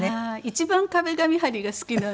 一番壁紙貼りが好きなんですよ。